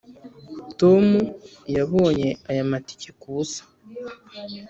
tom yabonye aya matike kubusa.